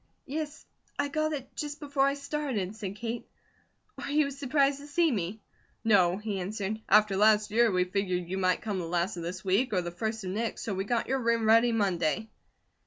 "Yes, I got it just before I started," said Kate. "Are you surprised to see me?" "No," he answered. "After last year, we figured you might come the last of this week or the first of next, so we got your room ready Monday."